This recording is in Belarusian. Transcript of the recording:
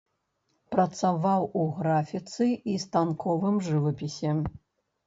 Працаваў у графіцы і станковым жывапісе.